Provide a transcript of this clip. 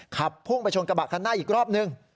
ขับพุ่งไปชนกระบะคันหน้าอีกรอบนึง